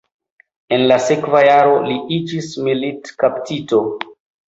En la sekva jaro li iĝis militkaptito.